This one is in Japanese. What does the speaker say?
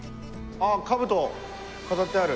あっかぶと飾ってある。